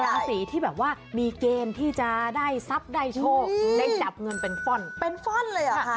ราศีที่แบบว่ามีเกณฑ์ที่จะได้ทรัพย์ได้โทฬในจับเงินเป็นฟอนด์